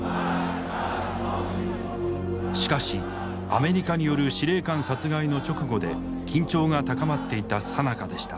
しかしアメリカによる司令官殺害の直後で緊張が高まっていたさなかでした。